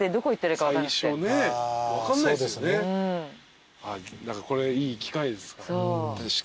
これいい機会ですから。